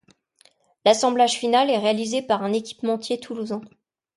L'assemblage final est réalisé par un équipementier toulousain.